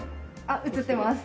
あっ映ってます。